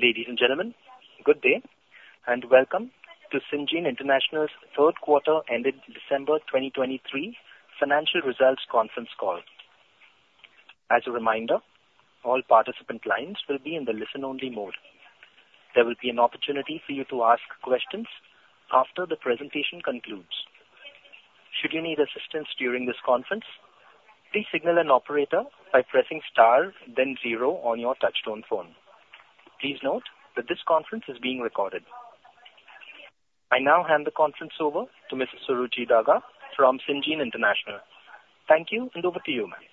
Ladies and gentlemen, good day, and welcome to Syngene International's third quarter, ending December 2023, financial results conference call. As a reminder, all participant lines will be in the listen-only mode. There will be an opportunity for you to ask questions after the presentation concludes. Should you need assistance during this conference, please signal an operator by pressing star, then zero on your touchtone phone. Please note that this conference is being recorded. I now hand the conference over to Mrs. Suruchi Daga from Syngene International. Thank you, and over to you, ma'am.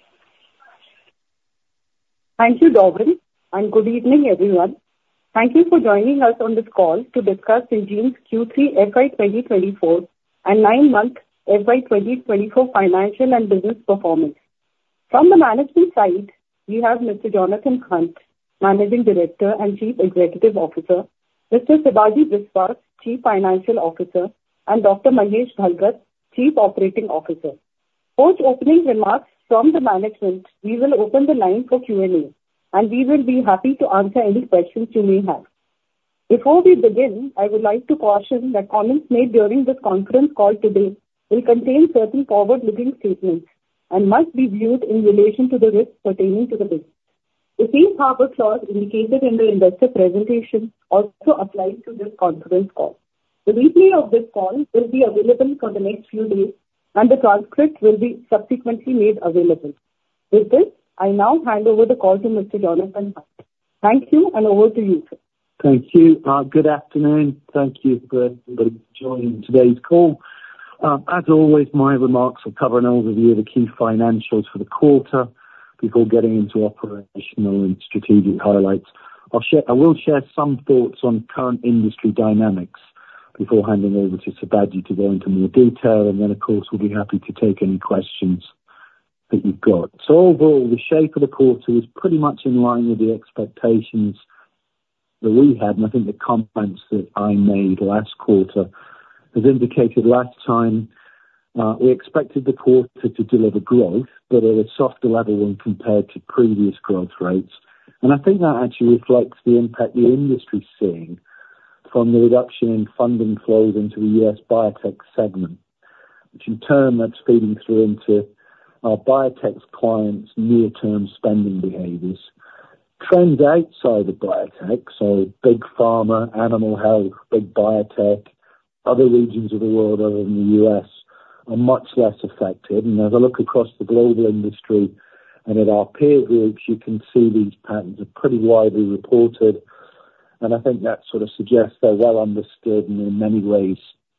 Thank you, Darwin, and good evening, everyone. Thank you for joining us on this call to discuss Syngene's Q3 FY 2024 and nine-month FY 2024 financial and business performance. From the management side, we have Mr. Jonathan Hunt, Managing Director and Chief Executive Officer, Mr. Sibaji Biswas, Chief Financial Officer, and Dr. Mahesh Bhalgat, Chief Operating Officer. Post opening remarks from the management, we will open the line for Q&A, and we will be happy to answer any questions you may have. Before we begin, I would like to caution that comments made during this conference call today will contain certain forward-looking statements and must be viewed in relation to the risks pertaining to the business. The safe harbor clause indicated in the investor presentation also applies to this conference call. The replay of this call will be available for the next few days, and the transcript will be subsequently made available. With this, I now hand over the call to Mr. Jonathan Hunt. Thank you, and over to you, sir. Thank you. Good afternoon. Thank you for everybody joining today's call. As always, my remarks will cover an overview of the key financials for the quarter before getting into operational and strategic highlights. I'll share, I will share some thoughts on current industry dynamics before handing over to Sibaji to go into more detail, and then, of course, we'll be happy to take any questions that you've got. So overall, the shape of the quarter was pretty much in line with the expectations that we had, and I think the comments that I made last quarter has indicated last time, we expected the quarter to deliver growth, but at a softer level when compared to previous growth rates. I think that actually reflects the impact the industry's seeing from the reduction in funding flows into the U.S. biotech segment, which in turn, that's feeding through into our biotech clients' near-term spending behaviors. Trends outside of biotech, so Big Pharma, animal health, big biotech, other regions of the world other than the U.S., are much less affected. As I look across the global industry and at our peer groups, you can see these patterns are pretty widely reported, and I think that sort of suggests they're well understood and in many ways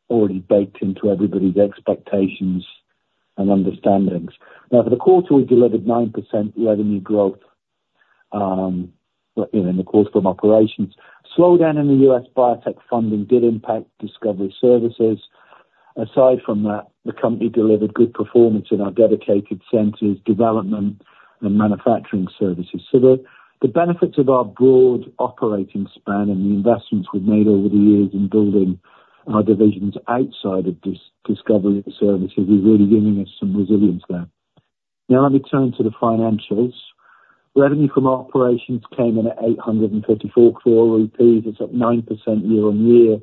already baked into everybody's expectations and understandings. Now, for the quarter, we delivered 9% revenue growth, you know, in the quarter from operations. Slowdown in the U.S. biotech funding did impact Discovery services. Aside from that, the company delivered good performance in our dedicated centers, development, and manufacturing services. So the benefits of our broad operating span and the investments we've made over the years in building our divisions outside of Discovery services is really giving us some resilience there. Now, let me turn to the financials. Revenue from operations came in at 834 crore rupees. It's up 9% year-on-year.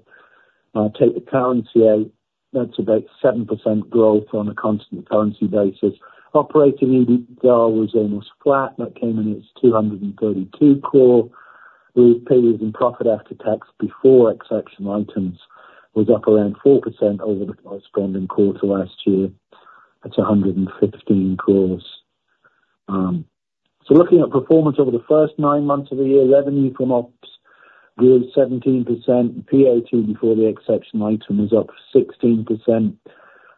Take the currency out, that's about 7% growth on a constant currency basis. Operating EBITDA was almost flat. That came in as 232 crore. The PAT in rupees, before exceptional items, was up around 4% over the corresponding quarter last year. That's 115 crores. So looking at performance over the first nine months of the year, revenue from ops grew 17%, and PAT before the exceptional item is up 16%.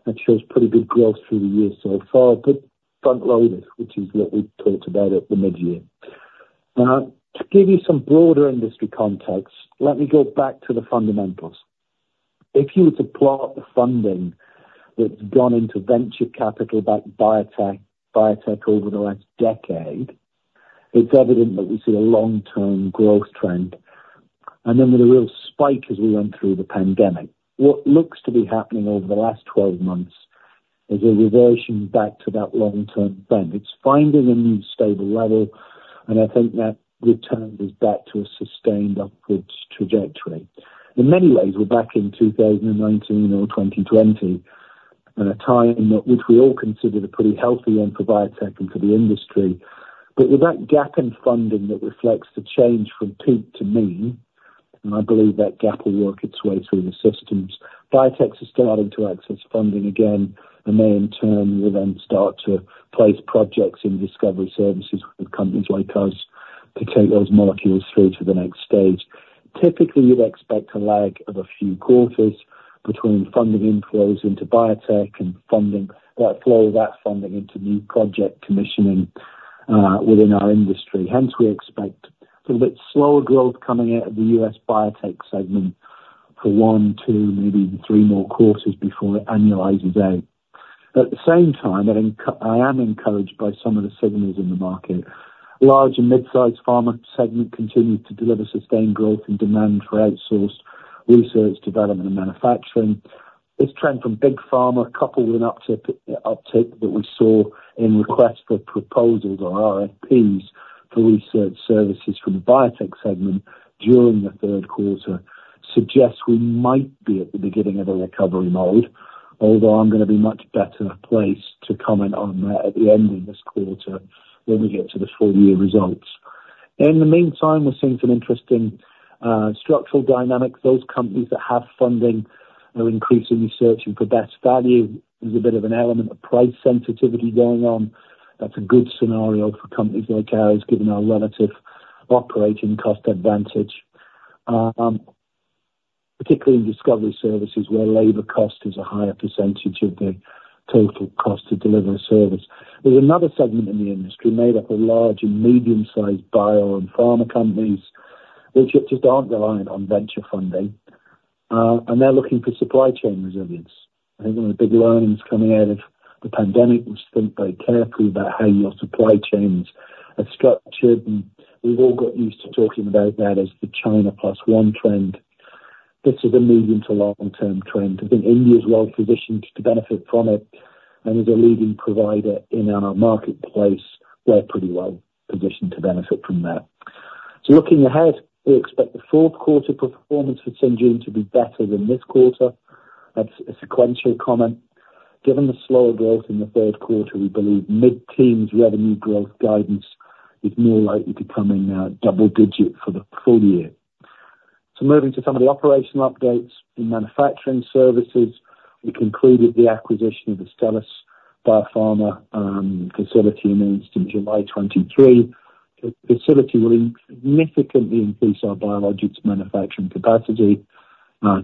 That shows pretty good growth through the year so far. Good front loading, which is what we talked about at the midyear. Now, to give you some broader industry context, let me go back to the fundamentals. If you were to plot the funding that's gone into venture capital about biotech, biotech over the last decade, it's evident that we see a long-term growth trend, and then with a real spike as we went through the pandemic. What looks to be happening over the last 12 months is a reversion back to that long-term trend. It's finding a new stable level, and I think that returns us back to a sustained upward trajectory. In many ways, we're back in 2019 or 2020, at a time at which we all considered a pretty healthy end for biotech and for the industry. But with that gap in funding that reflects the change from peak to mean, and I believe that gap will work its way through the systems. Biotechs are starting to access funding again, and they in turn will then start to place projects in Discovery services with companies like us to take those molecules through to the next stage. Typically, you'd expect a lag of a few quarters between funding inflows into biotech and funding that flow of that funding into new project commissioning within our industry. Hence, we expect a little bit slower growth coming out of the U.S. biotech segment for one, two, maybe even three more quarters before it annualizes out. At the same time, I am encouraged by some of the signals in the market. Large and mid-sized pharma segment continued to deliver sustained growth and demand for outsourced-... research, development, and manufacturing. This trend from big pharma, coupled with an uptick that we saw in requests for proposals or RFPs for research services from the biotech segment during the third quarter, suggests we might be at the beginning of a recovery mode. Although I'm going to be much better placed to comment on that at the end of this quarter, when we get to the full year results. In the meantime, we're seeing some interesting structural dynamics. Those companies that have funding are increasingly searching for best value. There's a bit of an element of price sensitivity going on. That's a good scenario for companies like ours, given our relative operating cost advantage, particularly in Discovery services, where labor cost is a higher percentage of the total cost to deliver a service. There's another segment in the industry made up of large and medium-sized bio and pharma companies, which just aren't reliant on venture funding, and they're looking for supply chain resilience. I think one of the big learnings coming out of the pandemic was think very carefully about how your supply chains are structured, and we've all got used to talking about that as the China Plus One trend. This is a medium to long term trend. I think India is well-positioned to benefit from it, and as a leading provider in our marketplace, we're pretty well-positioned to benefit from that. So looking ahead, we expect the fourth quarter performance for Syngene to be better than this quarter. That's a sequential comment. Given the slower growth in the third quarter, we believe mid-teens revenue growth guidance is more likely to come in at double-digit for the full year. So moving to some of the operational updates in manufacturing services, we concluded the acquisition of the Stelis Biopharma facility announced in, July 2023. The facility will significantly increase our Biologics manufacturing capacity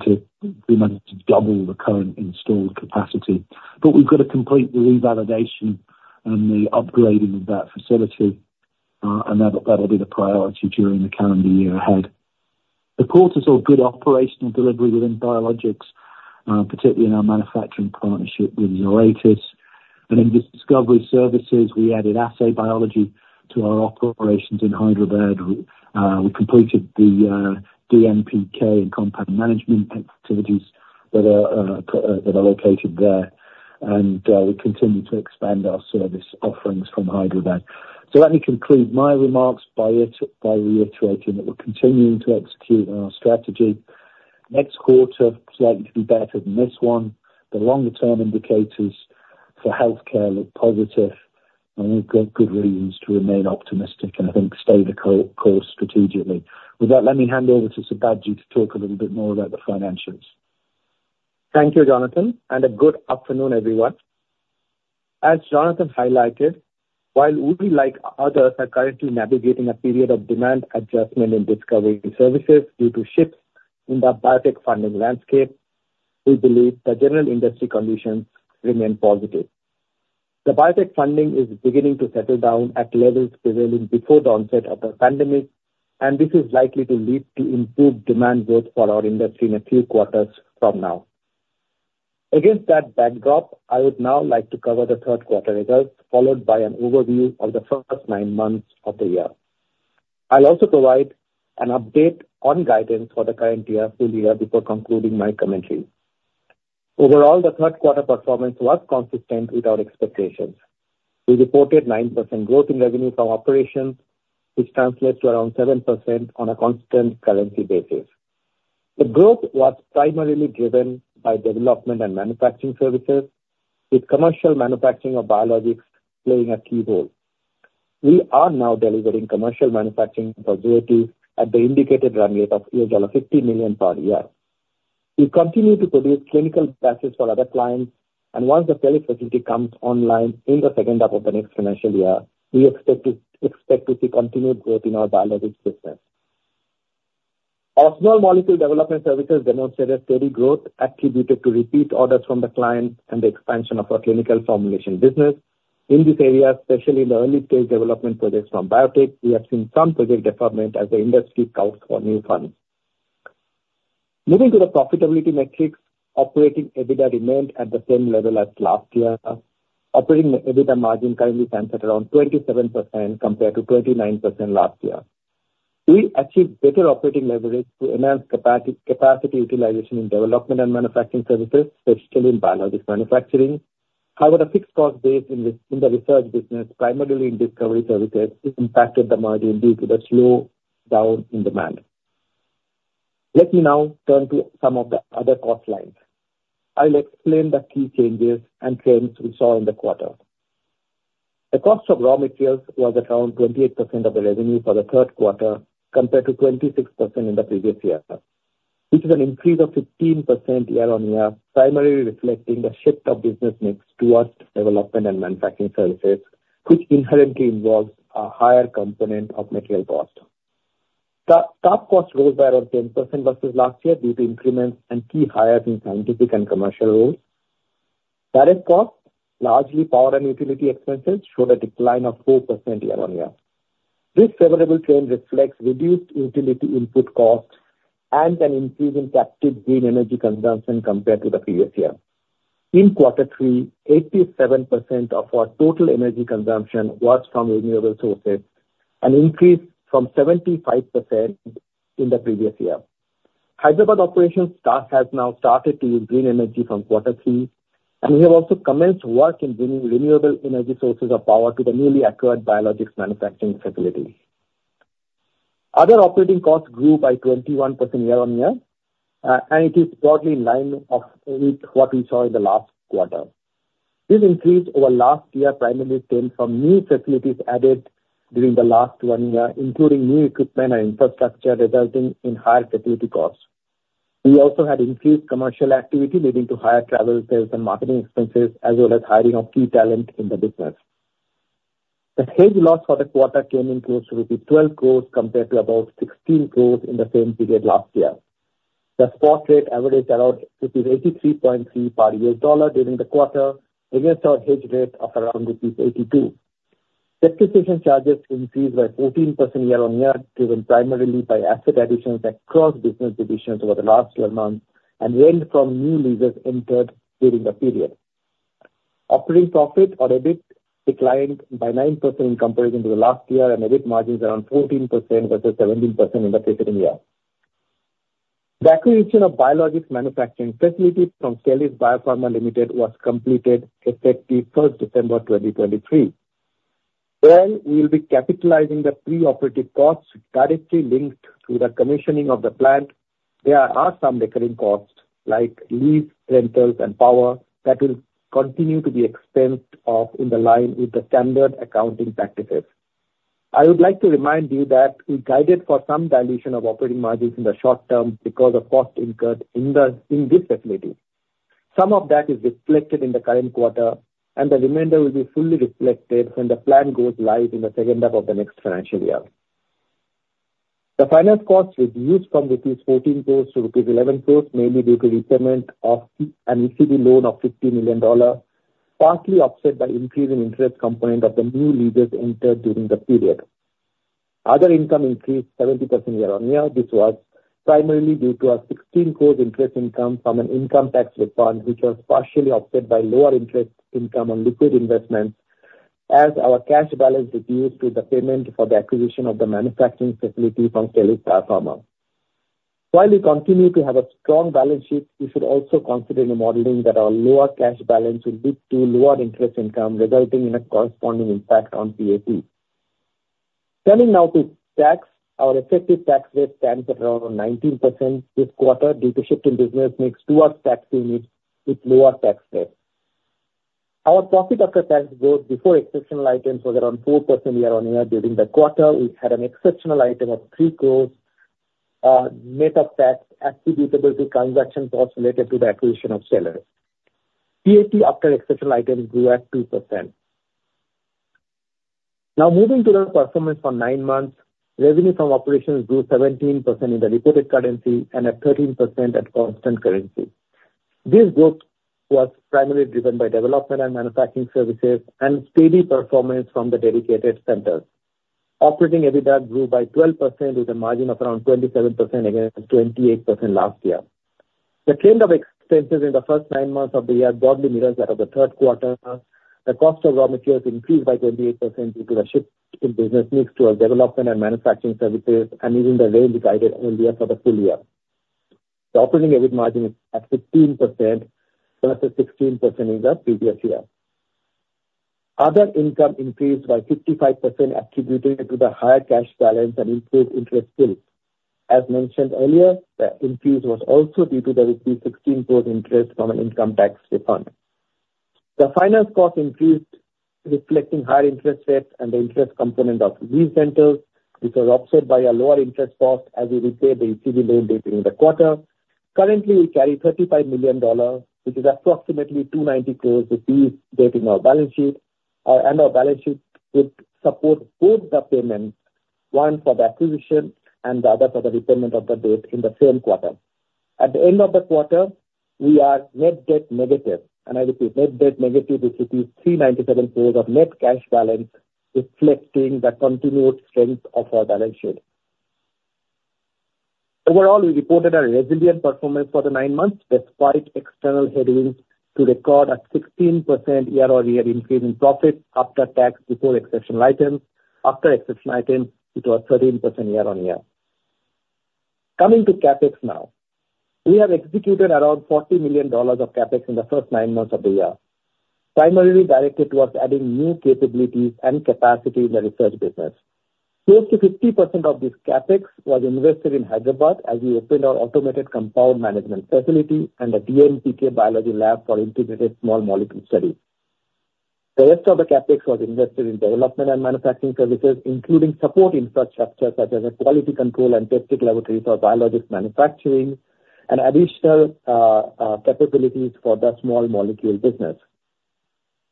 to pretty much double the current installed capacity. But we've got to complete the revalidation and the upgrading of that facility, and that'll be the priority during the calendar year ahead. The quarter saw good operational delivery within Biologics, particularly in our manufacturing partnership with Zoetis. And in Discovery services, we added assay biology to our operations in Hyderabad. We completed the DMPK and compound management activities that are located there. And we continue to expand our service offerings from Hyderabad. So let me conclude my remarks by reiterating that we're continuing to execute on our strategy. Next quarter is likely to be better than this one. The longer term indicators for healthcare look positive, and we've got good reasons to remain optimistic and I think stay the course strategically. With that, let me hand over to Sibaji to talk a little bit more about the financials. Thank you, Jonathan, and a good afternoon, everyone. As Jonathan highlighted, while we, like others, are currently navigating a period of demand adjustment in Discovery services due to shifts in the biotech funding landscape, we believe the general industry conditions remain positive. The biotech funding is beginning to settle down at levels prevailing before the onset of the pandemic, and this is likely to lead to improved demand growth for our industry in a few quarters from now. Against that backdrop, I would now like to cover the third quarter results, followed by an overview of the first nine months of the year. I'll also provide an update on guidance for the current year, full year, before concluding my commentary. Overall, the third quarter performance was consistent with our expectations. We reported 9% growth in revenue from operations, which translates to around 7% on a constant currency basis. The growth was primarily driven by development and manufacturing services, with commercial manufacturing of Biologics playing a key role. We are now delivering commercial manufacturing for Zoetis at the indicated run rate of $8.50 million per year. We continue to produce clinical batches for other clients, and once the Stelis facility comes online in the second half of the next financial year, we expect to see continued growth in our Biologics business. Our small molecule development services demonstrated a steady growth attributed to repeat orders from the clients and the expansion of our clinical formulation business. In this area, especially in the early stage development projects from biotech, we have seen some project deferment as the industry scouts for new funds. Moving to the profitability metrics, operating EBITDA remained at the same level as last year. Operating EBITDA margin currently stands at around 27% compared to 29% last year. We achieved better operating leverage to enhance capacity utilization in development and manufacturing services, especially in Biologics manufacturing. However, the fixed cost base in the research business, primarily in Discovery services, impacted the margin due to the slowdown in demand. Let me now turn to some of the other cost lines. I'll explain the key changes and trends we saw in the quarter. The cost of raw materials was around 28% of the revenue for the third quarter, compared to 26% in the previous year. This is an increase of 15% year-on-year, primarily reflecting the shift of business mix towards development and manufacturing services, which inherently involves a higher component of material cost. Staff costs rose by around 10% versus last year due to increments and key hires in scientific and commercial roles. Direct costs, largely power and utility expenses, showed a decline of 4% year-on-year. This favorable trend reflects reduced utility input costs and an increase in captive green energy consumption compared to the previous year. In quarter three, 87% of our total energy consumption was from renewable sources, an increase from 75% in the previous year. Hyderabad operations has now started to use green energy from quarter three, and we have also commenced work in bringing renewable energy sources of power to the newly acquired Biologics manufacturing facility. Other operating costs grew by 21% year-on-year, and it is broadly in line with what we saw in the last quarter. This increase over last year primarily came from new facilities added during the last one year, including new equipment and infrastructure, resulting in higher facility costs. We also had increased commercial activity, leading to higher travel, sales, and marketing expenses, as well as hiring of key talent in the business. The hedge loss for the quarter came in close to rupees 12 crores, compared to about 16 crores in the same period last year. The spot rate averaged around rupees 83.3 per U.S. dollar during the quarter, against our hedge rate of around rupees 82. Depreciation charges increased by 14% year-on-year, driven primarily by asset additions across business divisions over the last 12 months and rent from new leases entered during the period. Operating profit or EBIT declined by 9% in comparison to the last year, and EBIT margins around 14% versus 17% in the preceding year. The acquisition of Biologics manufacturing facility from Stelis Biopharma Limited was completed effective December 1, 2023. While we will be capitalizing the pre-operative costs directly linked to the commissioning of the plant, there are some recurring costs, like lease, rentals, and power, that will continue to be expensed off in line with the standard accounting practices. I would like to remind you that we guided for some dilution of operating margins in the short term because of costs incurred in the, in this facility. Some of that is reflected in the current quarter, and the remainder will be fully reflected when the plant goes live in the second half of the next financial year. The finance costs reduced from rupees 14 crores to rupees 11 crores, mainly due to repayment of an ECB loan of $50 million, partly offset by increase in interest component of the new leases entered during the period. Other income increased 70% year-on-year. This was primarily due to a 16 crores interest income from an income tax refund, which was partially offset by lower interest income on liquid investments as our cash balance reduced with the payment for the acquisition of the manufacturing facility from Stelis Biopharma. While we continue to have a strong balance sheet, you should also consider in your modeling that our lower cash balance will lead to lower interest income, resulting in a corresponding impact on PAT. Turning now to tax. Our effective tax rate stands at around 19% this quarter due to shift in business mix towards tax units with lower tax rates. Our profit after tax growth before exceptional items was around 4% year-on-year. During the quarter, we had an exceptional item of 3 crore, net of tax, attributable to transaction costs related to the acquisition of Stelis. PAT after exceptional items grew at 2%. Now, moving to the performance for 9 months, revenue from operations grew 17% in the reported currency and at 13% at constant currency. This growth was primarily driven by development and manufacturing services and steady performance from the dedicated centers. Operating EBITDA grew by 12%, with a margin of around 27% against 28% last year. The trend of expenses in the first 9 months of the year broadly mirrors that of the third quarter. The cost of raw materials increased by 28% due to the shift in business mix to our development and manufacturing services, and is in the range we guided earlier for the full year. The operating EBIT margin is at 15%, versus 16% in the previous year. Other income increased by 55%, attributable to the higher cash balance and increased interest rates. As mentioned earlier, the increase was also due to the 16 crore interest from an income tax refund. The finance cost increased, reflecting higher interest rates and the interest component of lease rentals, which was offset by a lower interest cost as we repaid the ECB loan during the quarter. Currently, we carry $35 million, which is approximately 290 crore, debt in our balance sheet. And our balance sheet would support both the payments, one for the acquisition and the other for the repayment of the debt in the same quarter. At the end of the quarter, we are net debt negative, and I repeat, net debt negative with 397 crores of net cash balance, reflecting the continued strength of our balance sheet. Overall, we reported a resilient performance for the nine months, despite external headwinds, to record a 16% year-over-year increase in profits after tax, before exceptional items. After exceptional items, it was 13% year-over-year. Coming to CapEx now. We have executed around $40 million of CapEx in the first nine months of the year, primarily directed towards adding new capabilities and capacity in the research business. Close to 50% of this CapEx was invested in Hyderabad, as we opened our automated compound management facility and a DMPK biology lab for integrated small molecule studies. The rest of the CapEx was invested in development and manufacturing services, including support infrastructure, such as the quality control and testing laboratories for Biologics manufacturing and additional capabilities for the small molecule business.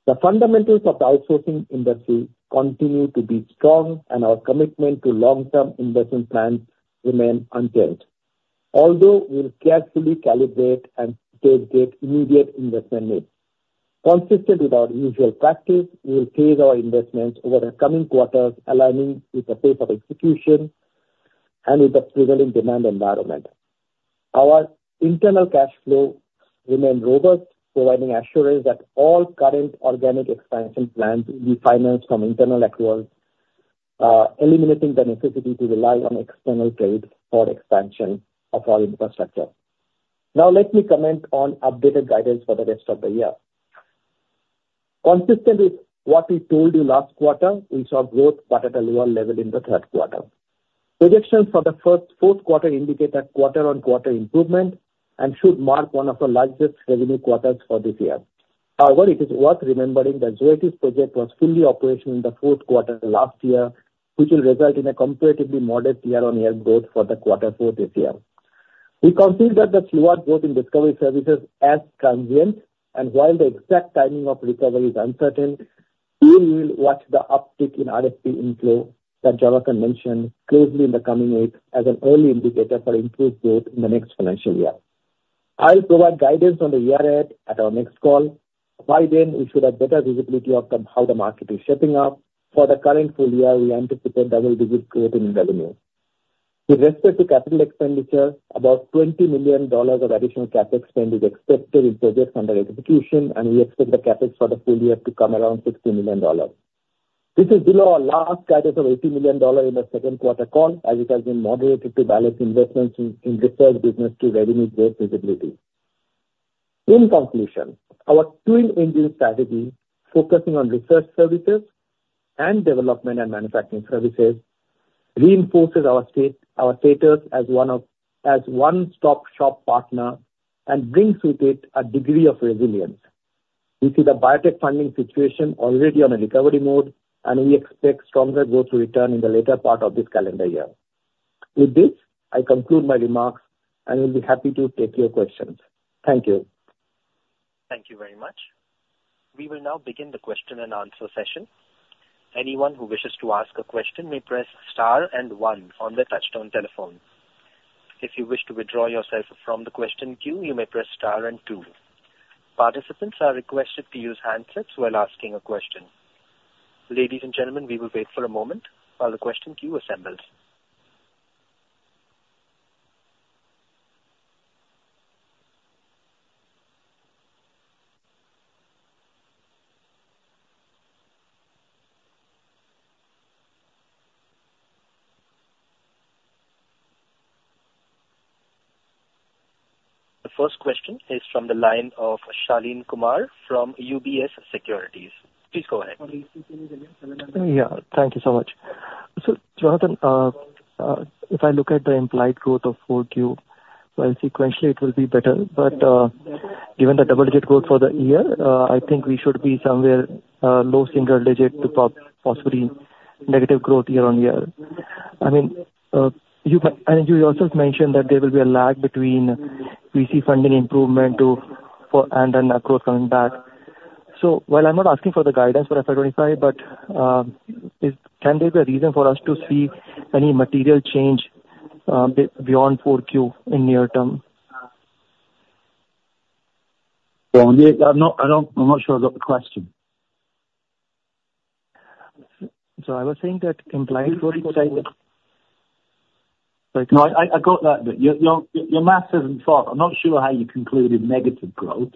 The fundamentals of the outsourcing industry continue to be strong, and our commitment to long-term investment plans remain unchanged, although we'll carefully calibrate and stage the immediate investment needs. Consistent with our usual practice, we will phase our investments over the coming quarters, aligning with the pace of execution and with the prevailing demand environment. Our internal cash flow remained robust, providing assurance that all current organic expansion plans will be financed from internal accruals, eliminating the necessity to rely on external trade for expansion of our infrastructure. Now, let me comment on updated guidance for the rest of the year. Consistent with what we told you last quarter, we saw growth but at a lower level in the third quarter. Projections for the first, fourth quarter indicate a quarter-on-quarter improvement and should mark one of the largest revenue quarters for this year. However, it is worth remembering the Zoetis project was fully operational in the fourth quarter last year, which will result in a comparatively modest year-on-year growth for the quarter four this year. We consider the slower growth in Discovery services as transient, and while the exact timing of recovery is uncertain, we will watch the uptick in RFP inflow that Jonathan mentioned closely in the coming weeks as an early indicator for increased growth in the next financial year. I'll provide guidance on the year end at our next call. By then, we should have better visibility of how the market is shaping up. For the current full year, we anticipate double digit growth in revenue. With respect to capital expenditure, about $20 million of additional CapEx spend is expected in projects under execution, and we expect the CapEx for the full year to come around $60 million. This is below our last guidance of $80 million in the second quarter call, as it has been moderated to balance investments in research business to revenue growth visibility. In conclusion, our twin engine strategy, focusing on research services and development and manufacturing services, reinforces our status as one of... as one-stop shop partner and brings with it a degree of resilience. We see the biotech funding situation already on a recovery mode, and we expect stronger growth to return in the later part of this calendar year. With this, I conclude my remarks and will be happy to take your questions. Thank you. Thank you very much. We will now begin the question and answer session. Anyone who wishes to ask a question may press star and one on their touchtone telephone. If you wish to withdraw yourself from the question queue, you may press star and two. Participants are requested to use handsets while asking a question. Ladies and gentlemen, we will wait for a moment while the question queue assembles. The first question is from the line of Shaleen Kumar from UBS Securities. Please go ahead. Yeah, thank you so much. So, Jonathan, if I look at the implied growth of Q4, while sequentially it will be better, but given the double-digit growth for the year, I think we should be somewhere low single-digit to possibly negative growth year-on-year. I mean, you can, and you also mentioned that there will be a lag between VC funding improvement and then growth coming back. So while I'm not asking for the guidance for FY 2025, but can there be a reason for us to see any material change beyond Q4 in near term? Well, yeah, I'm not, I don't... I'm not sure I got the question. So I was saying that implied growth- No, I got that bit. Your math hasn't faulted. I'm not sure how you concluded negative growth,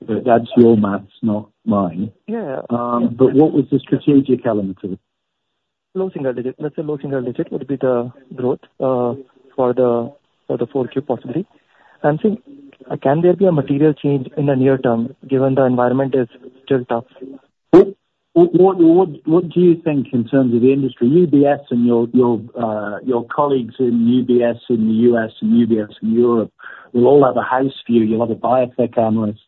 but that's your math, not mine. Yeah. But what was the strategic element to it? Low single digit. Let's say low single digit would be the growth for the Q4, possibly. I'm saying, can there be a material change in the near term, given the environment is still tough? What, what, what do you think in terms of the industry? UBS and your colleagues in UBS, in the U.S. and UBS in Europe, will all have a house view. You'll have a biotech analyst,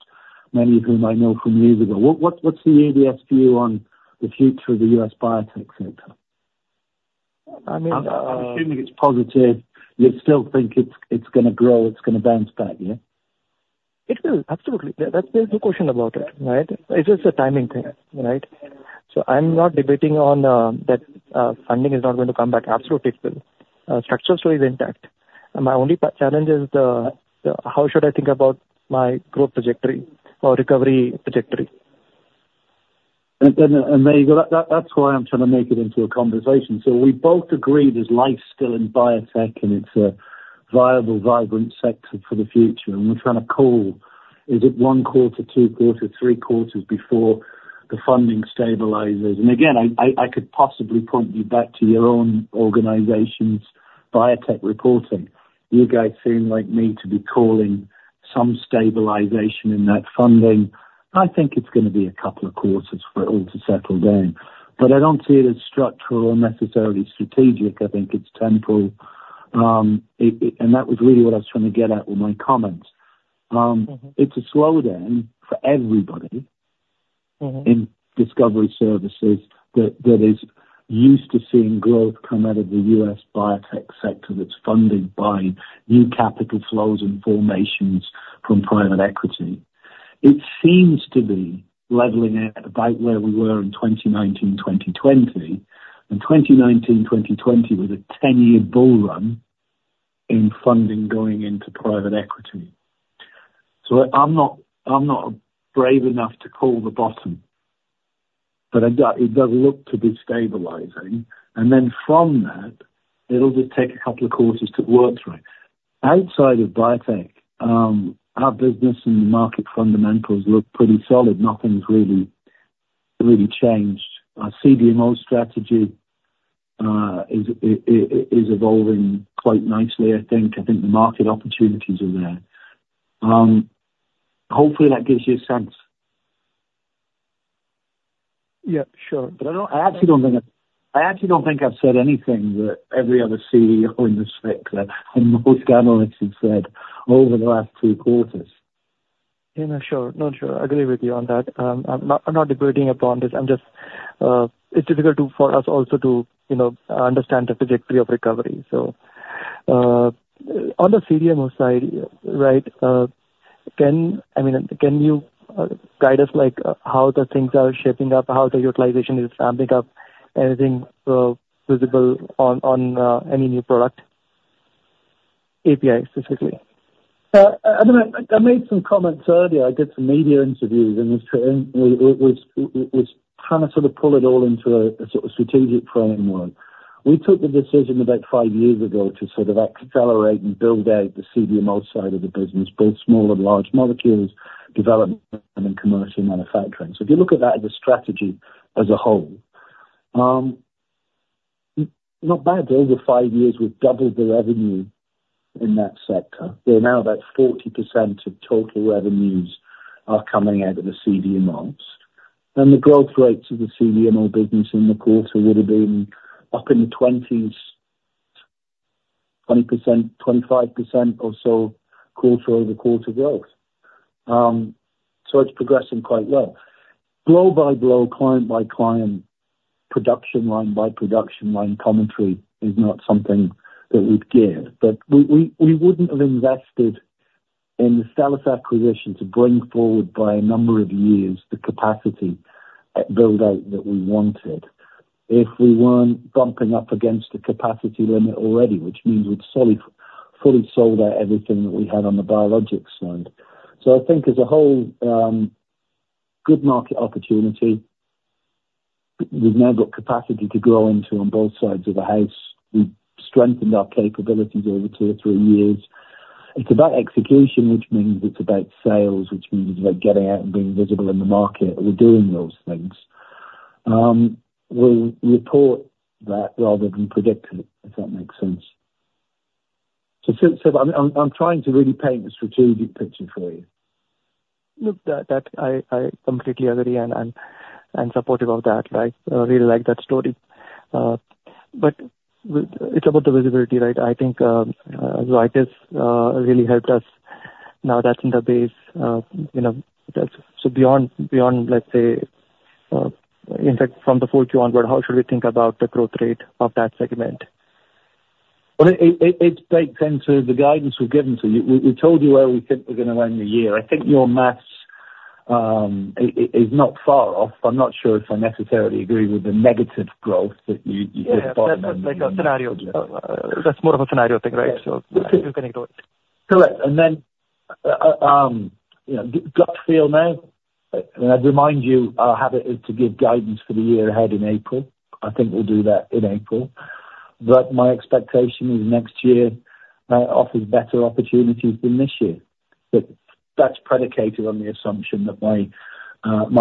many of whom I know from years ago. What, what, what's the UBS view on the future of the U.S. biotech sector? I mean, I'm assuming it's positive. You still think it's, it's gonna grow, it's gonna bounce back, yeah? It will, absolutely. There, there's no question about it, right? It's just a timing thing, right? So I'm not debating on that funding is not going to come back. Absolutely, it will. Structure still is intact. My only challenge is how should I think about my growth trajectory or recovery trajectory? And there you go. That's why I'm trying to make it into a conversation. So we both agree there's life still in biotech, and it's a viable, vibrant sector for the future. And we're trying to call, is it 1 quarter, 2 quarters, 3 quarters before the funding stabilizes? And again, I could possibly point you back to your own organization's biotech reporting. You guys seem like me to be calling some stabilization in that funding. I think it's gonna be a couple of quarters for it all to settle down, but I don't see it as structural or necessarily strategic. I think it's temporal. And that was really what I was trying to get at with my comments. Mm-hmm. It's a slowdown for everybody. Mm-hmm. In Discovery services, that is used to seeing growth come out of the U.S. biotech sector, that's funded by new capital flows and formations from private equity. It seems to be leveling out about where we were in 2019, 2020, and 2019, 2020, was a 10-year bull run in funding going into private equity. So I'm not brave enough to call the bottom... but it does look to be stabilizing, and then from that, it'll just take a couple of quarters to work through. Outside of biotech, our business and the market fundamentals look pretty solid. Nothing's really, really changed. Our CDMO strategy is evolving quite nicely, I think. I think the market opportunities are there. Hopefully that gives you a sense. Yeah, sure. But I don't, I actually don't think, I actually don't think I've said anything that every other CEO in this sector and most analysts have said over the last three quarters. Yeah, no, sure. No, sure. I agree with you on that. I'm not, I'm not debating upon this. I'm just... It's difficult to, for us also to, you know, understand the trajectory of recovery. So, on the CDMO side, right, can, I mean, can you guide us, like, how the things are shaping up, how the utilization is ramping up? Anything visible on, on any new product, API specifically? I mean, I made some comments earlier. I did some media interviews, and it was kind of sort of pull it all into a sort of strategic framework. We took the decision about five years ago to sort of accelerate and build out the CDMO side of the business, both small and large molecules, development and commercial manufacturing. So if you look at that as a strategy as a whole, not bad. Over five years, we've doubled the revenue in that sector. They're now about 40% of total revenues are coming out of the CDMOs. And the growth rates of the CDMO business in the quarter would have been up in the 20s, 20%-25% or so, quarter-over-quarter growth. So it's progressing quite well. Growth by growth, client by client, production line by production line commentary is not something that we'd give. But we wouldn't have invested in the Stelis acquisition to bring forward by a number of years the capacity at build-out that we wanted, if we weren't bumping up against the capacity limit already, which means we'd solidly sold out everything that we had on the Biologics side. So I think as a whole, good market opportunity. We've now got capacity to grow into on both sides of the house. We've strengthened our capabilities over two or three years. It's about execution, which means it's about sales, which means it's about getting out and being visible in the market. We're doing those things. We'll report that rather than predict it, if that makes sense. So, I'm trying to really paint the strategic picture for you. Look, that I completely agree and supportive of that, right? I really like that story. But it's about the visibility, right? I think, Zoetis really helped us. Now, that's in the base, you know, that's so beyond, let's say, in fact, from the Q4 onward, how should we think about the growth rate of that segment? Well, it breaks into the guidance we've given to you. We told you where we think we're gonna end the year. I think your math is not far off. I'm not sure if I necessarily agree with the negative growth that you just- Yeah. That's like a scenario. That's more of a scenario thing, right? So we're gonna do it. Correct. Then, you know, gut feel now, and I'd remind you, our habit is to give guidance for the year ahead in April. I think we'll do that in April. But my expectation is next year offers better opportunities than this year. But that's predicated on the assumption that my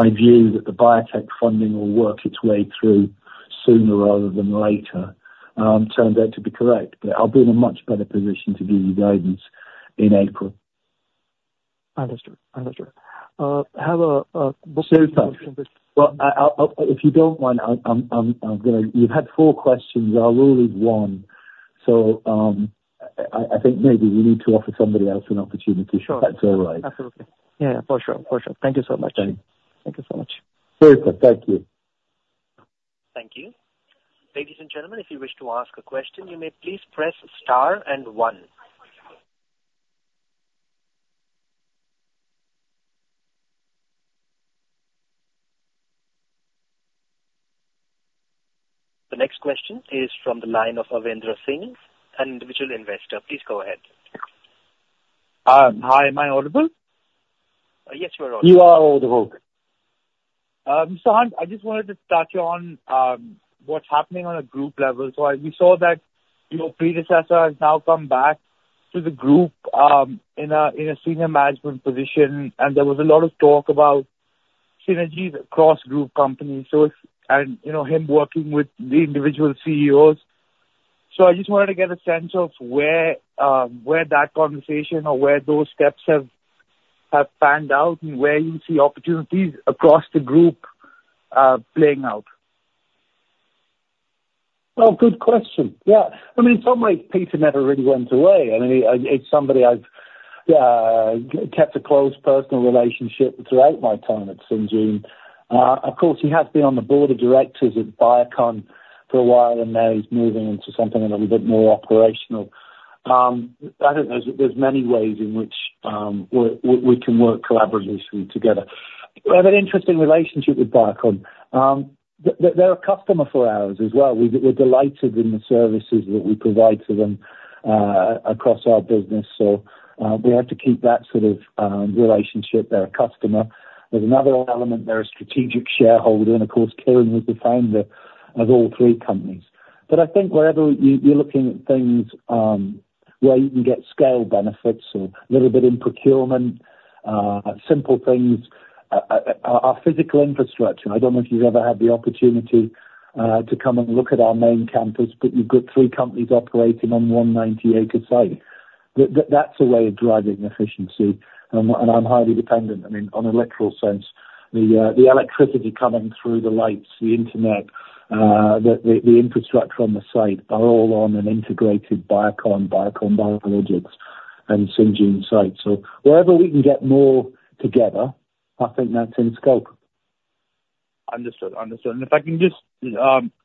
view that the biotech funding will work its way through sooner rather than later turned out to be correct. But I'll be in a much better position to give you guidance in April. Understood. Understood. Suruchi, well, I'll if you don't mind, I'm gonna... You've had four questions. Our rule is one. So, I think maybe we need to offer somebody else an opportunity. Sure. If that's all right. Absolutely. Yeah, for sure. For sure. Thank you so much. Thank you. Thank you so much. Suruchi, thank you. Thank you. Ladies and gentlemen, if you wish to ask a question, you may please press star and one. The next question is from the line of Avendra Singh, an individual investor. Please go ahead. Hi, am I audible? Yes, you are audible. You are audible. So Hunt, I just wanted to start you on what's happening on a group level. So we saw that your predecessor has now come back to the group in a senior management position, and there was a lot of talk about synergies across group companies. So you know, him working with the individual CEOs. So I just wanted to get a sense of where that conversation or where those steps have panned out, and where you see opportunities across the group playing out? Well, good question. Yeah. I mean, in some ways, Peter never really went away. I mean, it's somebody I've kept a close personal relationship throughout my time at Syngene. Of course, he has been on the board of directors at Biocon for a while, and now he's moving into something a little bit more operational. I think there's many ways in which we can work collaboratively together. We have an interesting relationship with Biocon. They're a customer for ours as well. We're delighted in the services that we provide to them across our business. So, we have to keep that sort of relationship. They're a customer. There's another element, they're a strategic shareholder, and of course, Kiran was the founder of all three companies. But I think wherever you, you're looking at things, where you can get scale benefits or little bit in procurement, simple things. Our physical infrastructure, I don't know if you've ever had the opportunity, to come and look at our main campus, but you've got three companies operating on one 90-acre site. That, that's a way of driving efficiency, and I'm highly dependent. I mean, on a literal sense, the, the electricity coming through the lights, the internet, the, the, the infrastructure on the site, are all on an integrated Biocon, Biocon Biologics and Syngene site. So wherever we can get more together, I think that's in scope. Understood. Understood. And if I can just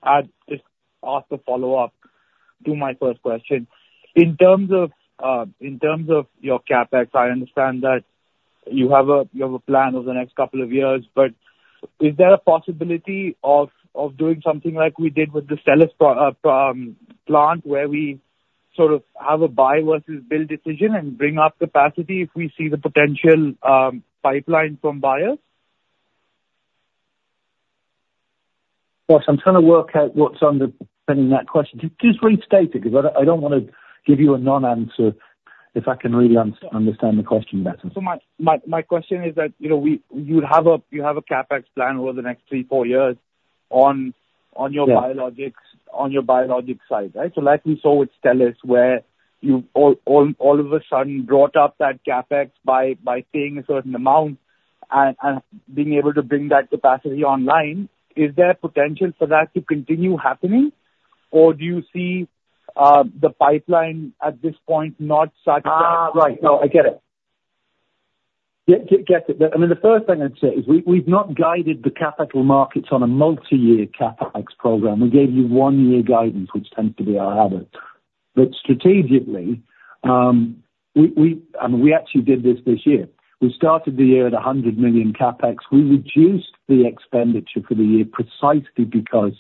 add, just ask a follow-up to my first question. In terms of, in terms of your CapEx, I understand that you have a, you have a plan over the next couple of years, but is there a possibility of, of doing something like we did with the Stelis plant, where we sort of have a buy versus build decision and bring up capacity if we see the potential pipeline from buyers? Well, so I'm trying to work out what's underpinning that question. Just restate it, because I don't, I don't wanna give you a non-answer if I can really understand the question better. So my question is that, you know, you have a CapEx plan over the next 3-4 years on your- Yeah. Biologics, on your Biologics side, right? So like we saw with Stelis, where you all of a sudden brought up that CapEx by paying a certain amount and being able to bring that capacity online, is there potential for that to continue happening? Or do you see the pipeline at this point not satisfying? Ah, right. No, I get it. Yeah, get it. I mean, the first thing I'd say is we've not guided the capital markets on a multi-year CapEx program. We gave you one-year guidance, which tends to be our habit. But strategically, and we actually did this year. We started the year at $100 million CapEx. We reduced the expenditure for the year precisely because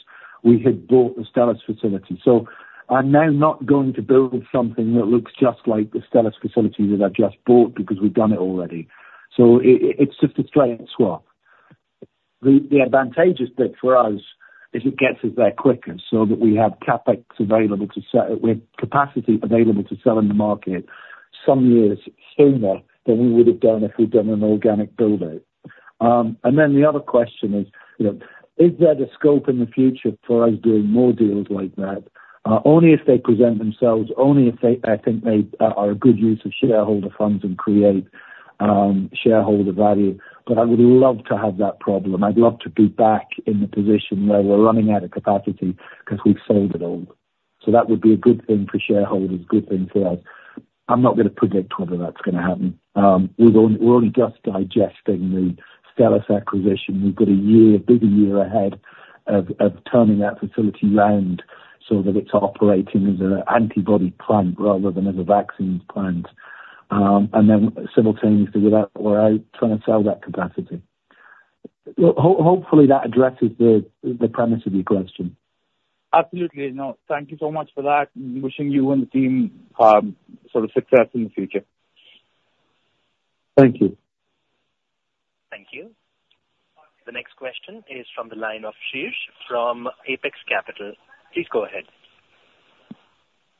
we had bought the Stelis facility. So I'm now not going to build something that looks just like the Stelis facility that I've just bought, because we've done it already. So it's just a straight swap. The advantageous bit for us is it gets us there quicker, so that we have CapEx available with capacity available to sell in the market some years sooner than we would have done, if we'd done an organic build-out. And then the other question is, you know, is there the scope in the future for us doing more deals like that? Only if they present themselves, only if they, I think, they are a good use of shareholder funds and create shareholder value. But I would love to have that problem. I'd love to be back in the position where we're running out of capacity, 'cause we've sold it all. So that would be a good thing for shareholders, good thing for us. I'm not gonna predict whether that's gonna happen. We've only- we're only just digesting the Stelis acquisition. We've got a year, a busy year ahead of, of turning that facility around, so that it's operating as an antibody plant rather than as a vaccines plant. And then simultaneously with that, we're out trying to sell that capacity. Hopefully that addresses the premise of your question. Absolutely. No, thank you so much for that, and wishing you and the team, sort of success in the future. Thank you. Thank you. The next question is from the line of Shirish from Apex Capital. Please go ahead.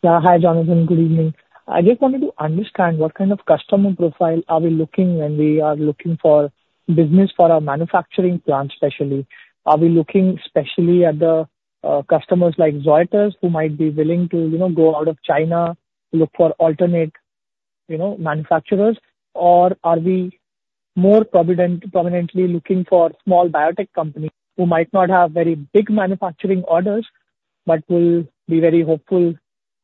Hi, Jonathan, good evening. I just wanted to understand what kind of customer profile are we looking, when we are looking for business for our manufacturing plant, especially? Are we looking especially at the customers like Zoetis, who might be willing to, you know, go out of China, to look for alternate, you know, manufacturers? Or are we more prominently looking for small biotech companies, who might not have very big manufacturing orders, but will be very hopeful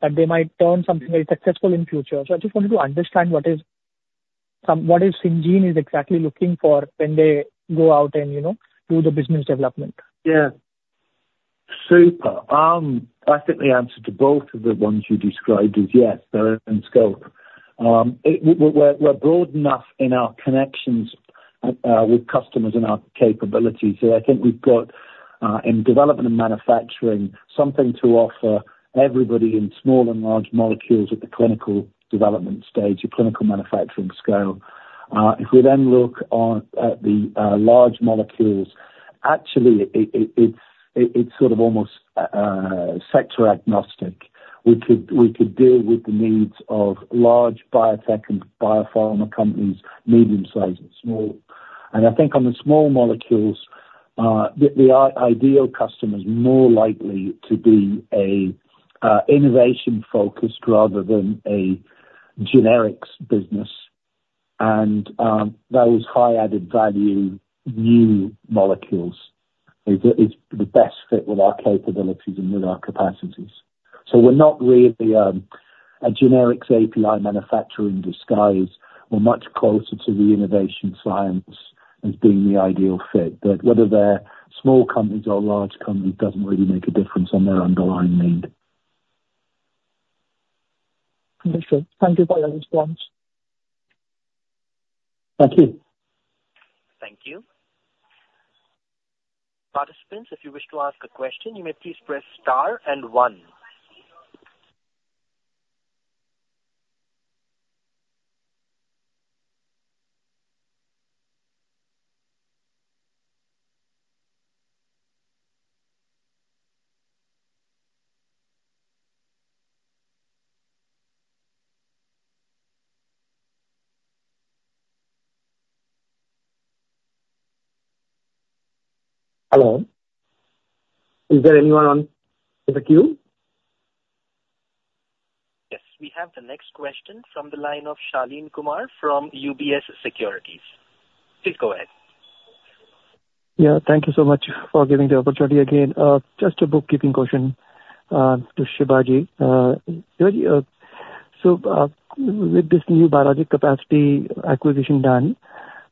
that they might turn something very successful in future? So I just wanted to understand what Syngene is exactly looking for when they go out and, you know, do the business development. Yeah. Super. I think the answer to both of the ones you described is, yes, they're in scope. We're broad enough in our connections with customers and our capabilities. So I think we've got in development and manufacturing something to offer everybody in small and large molecules at the clinical development stage or clinical manufacturing scale. If we then look at the large molecules, actually, it's sort of almost sector agnostic. We could deal with the needs of large biotech and biopharma companies, medium-sized and small. And I think on the small molecules, the ideal customer is more likely to be an innovation-focused, rather than a generics business. Those high added value, new molecules, is the best fit with our capabilities and with our capacities. So we're not really a generics API manufacturer in disguise. We're much closer to the innovation science as being the ideal fit. But whether they're small companies or large companies, doesn't really make a difference on their underlying need. Understood. Thank you for your response.... Thank you. Thank you. Participants, if you wish to ask a question, you may please press star and one. Hello, is there anyone on the queue? Yes, we have the next question from the line of Shaleen Kumar from UBS Securities. Please go ahead. Yeah, thank you so much for giving the opportunity again. Just a bookkeeping question to Sibaji. Sibaji, so, with this new biologic capacity acquisition done,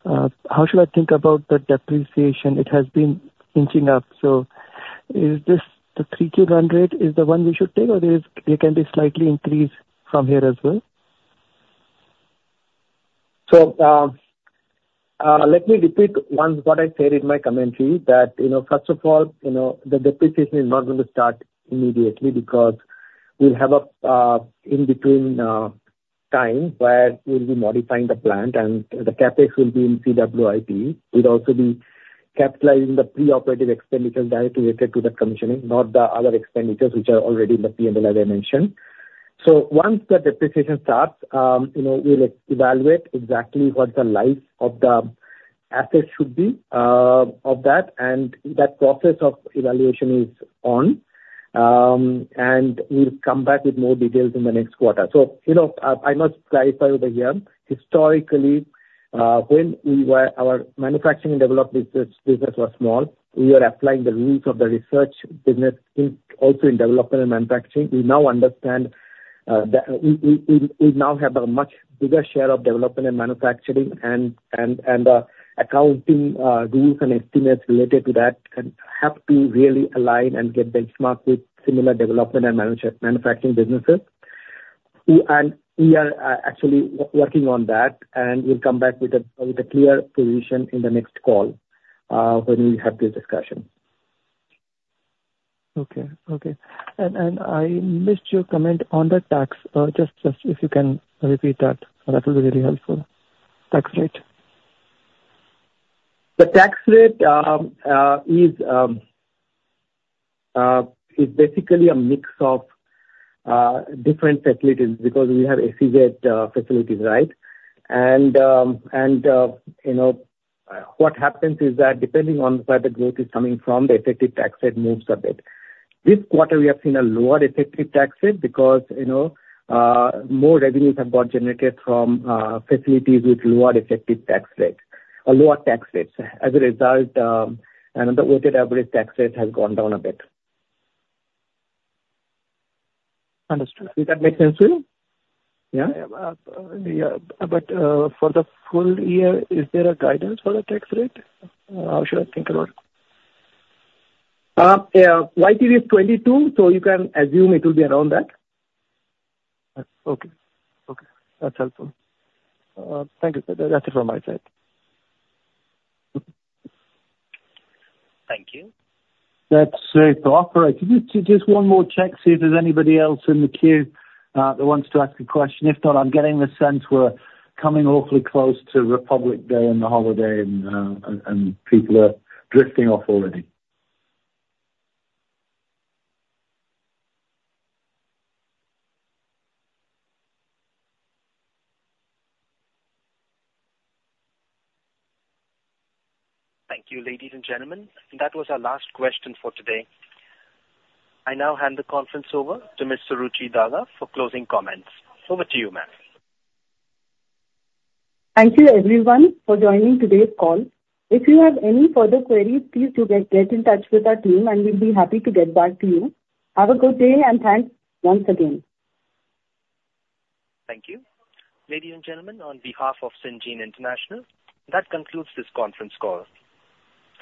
how should I think about the depreciation? It has been inching up. So is this the 3Q run rate the one we should take, or can it be slightly increased from here as well? Let me repeat once what I said in my commentary that, you know, first of all, you know, the depreciation is not going to start immediately because we'll have a in-between time where we'll be modifying the plant and the CapEx will be in CWIP. We'll also be capitalizing the pre-operative expenditures directly related to the commissioning, not the other expenditures, which are already in the PNL, as I mentioned. So once the depreciation starts, you know, we'll evaluate exactly what the life of the assets should be, of that, and that process of evaluation is on. And we'll come back with more details in the next quarter. So, you know, I must clarify over here, historically, when we were—our manufacturing and development business, business was small, we were applying the rules of the research business in, also in development and manufacturing. We now understand, that we now have a much bigger share of development and manufacturing and, accounting, rules and estimates related to that, and have to really align and get benchmarked with similar development and manage- manufacturing businesses. We are actually working on that, and we'll come back with a clear position in the next call, when we have this discussion. Okay. Okay. And I missed your comment on the tax. Just if you can repeat that, that will be really helpful. Tax rate. The tax rate is basically a mix of different facilities because we have facilities, right? You know, what happens is that depending on where the growth is coming from, the effective tax rate moves a bit. This quarter, we have seen a lower effective tax rate because, you know, more revenues have got generated from facilities with lower effective tax rates, or lower tax rates. As a result, the weighted average tax rate has gone down a bit. Understood. Does that make sense to you? Yeah. Yeah. But, for the full year, is there a guidance for the tax rate? How should I think about it? Yeah, YTD is 22, so you can assume it will be around that. Okay. Okay, that's helpful. Thank you. That's it from my side. Thank you. Let's say to operator, could you do just one more check to see if there's anybody else in the queue that wants to ask a question? If not, I'm getting the sense we're coming awfully close to Republic Day and the holiday and people are drifting off already. Thank you, ladies and gentlemen. That was our last question for today. I now hand the conference over to Ms. Suruchi Daga for closing comments. Over to you, ma'am. Thank you, everyone, for joining today's call. If you have any further queries, please do get in touch with our team and we'll be happy to get back to you. Have a good day, and thanks once again. Thank you. Ladies and gentlemen, on behalf of Syngene International, that concludes this conference call.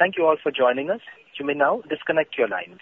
Thank you all for joining us. You may now disconnect your lines.